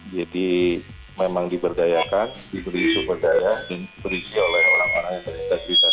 jadi memang diberdayakan diberi sumber daya dan diberi oleh orang orang yang terlibat libat